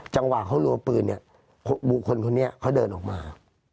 จังหวะเขารัวปืนเนี่ยบุคคลคนนี้เขาเดินออกมา